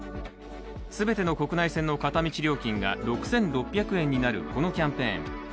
全ての国内線の片道料金が６６００円になるこのキャンペーン。